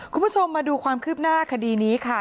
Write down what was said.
คุณผู้ชมมาดูความคืบหน้าคดีนี้ค่ะ